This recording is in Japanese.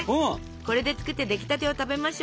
これで作って出来たてを食べましょ。